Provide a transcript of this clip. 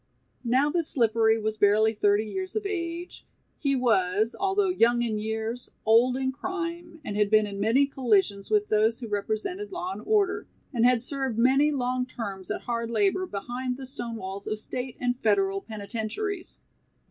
Now that Slippery was barely thirty years of age, he was, although young in years, old in crime and had been in many collisions with those who represented law and order, and had served many long terms at hard labor behind the stone walls of state and federal penitentiaries.